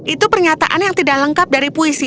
itu pernyataan yang tidak lengkap dari puisi